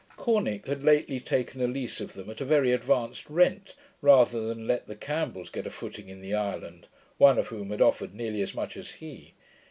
Corneck had lately taken a lease of them at a very advanced rent, rather than let the Campbells get a footing in the island, one of whom had offered nearly as much as he.